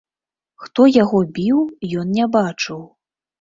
Хто яго біў, ён не бачыў.